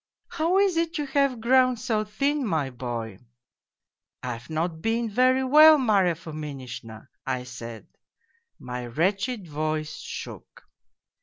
"' How is it you have grown so thin, my boy ?'"' I've, not been very well, Marya Fominishna,' I said. My wretched voice shook.